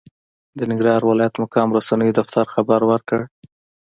د ننګرهار ولايت مقام رسنیو دفتر خبر ورکړ،